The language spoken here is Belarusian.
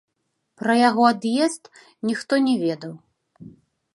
Пра яго ад'езд ніхто не ведаў.